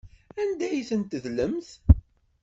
Anda ay ten-tedlemt?